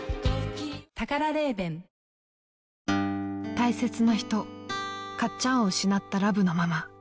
［大切な人かっちゃんを失ったラブのママ］